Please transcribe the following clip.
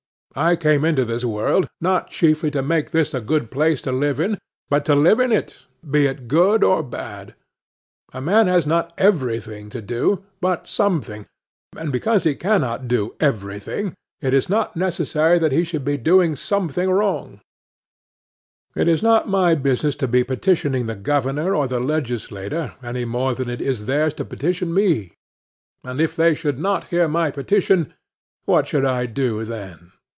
I came into this world, not chiefly to make this a good place to live in, but to live in it, be it good or bad. A man has not every thing to do, but something; and because he cannot do every thing, it is not necessary that he should do something wrong. It is not my business to be petitioning the Governor or the Legislature any more than it is theirs to petition me; and, if they should not hear my petition, what should I do then?